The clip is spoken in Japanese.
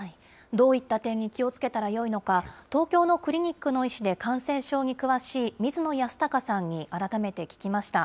どういった点に気をつけたらよいのか、東京のクリニックの医師で感染症に詳しい水野泰孝さんに改めて聞きました。